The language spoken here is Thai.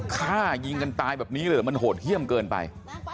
ฆ่ายิงกันตายแบบนี้เลยเหรอมันโหดเยี่ยมเกินไป